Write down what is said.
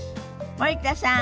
森田さん